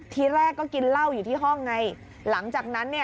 ทีแรกก็กินเหล้าอยู่ที่ห้องไงหลังจากนั้นเนี่ย